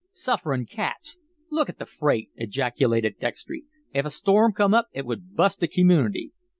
"Sufferin' cats! Look at the freight!" ejaculated Dextry. "If a storm come up it would bust the community!"